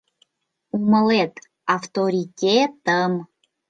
Умылет: автори-те-тым!